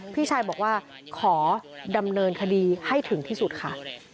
พี่ชายบอกว่าขอดำเนินคดีให้ถึงที่สุดค่ะ